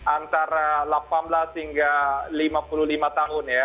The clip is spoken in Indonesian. antara delapan belas hingga lima puluh lima tahun ya